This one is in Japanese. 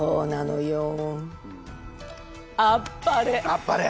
あっぱれ！